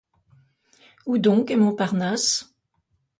Où donc est Montparnasse?